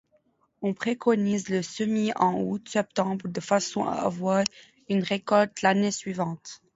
On préconise le semis en août-septembre de façon à avoir une récolte l'année suivante.